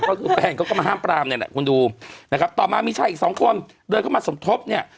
ก็คือแฟนเขาก็มาห้ามปรามเนี่ยแหละคุณดูนะครับต่อมามีชายอีกสองคนเดินเข้ามาสมทบเนี่ย